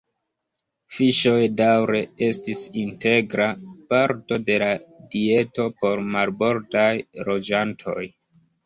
Fiŝoj daŭre estis integra parto de la dieto por marbordaj loĝantoj.